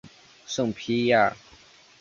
圣皮耶尔。